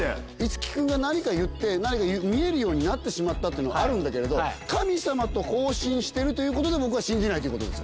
樹君が何か言って何か見えるようになってしまったっていうのはあるんだけれど神さまと交信してるということで僕は信じないということです。